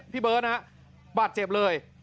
พี่เบิร์ตนะบาดเจ็บเลย